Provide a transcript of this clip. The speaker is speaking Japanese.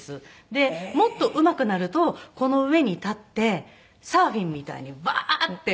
でもっとうまくなるとこの上に立ってサーフィンみたいにバーッて。